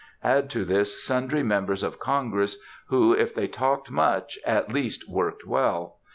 Add to this sundry members of Congress, who, if they talked much, at least worked well.